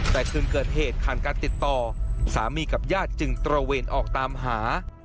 แต่คืนเกิดเหตุผ่านการติดต่อสามีกับญาติจึงตระเวนออกตามหา